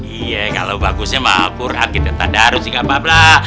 iya kalau bagusnya mah quran kita taruh sih nggak apa apa lah